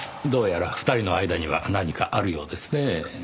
どうやら２人の間には何かあるようですねぇ。